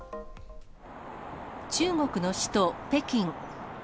中国の首都北京。